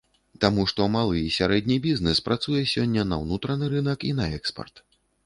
Таму што малы і сярэдні бізнэс працуе сёння на ўнутраны рынак і на экспарт.